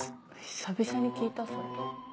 久々に聞いたそれ。